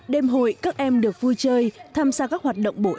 đêm hội các em được vui chơi tham gia các hoạt động bổ ích